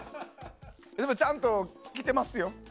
でもちゃんと着てますよ。